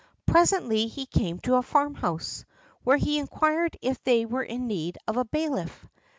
Presently he came to a farmhouse, where he inquired if they were in need of a bailiff.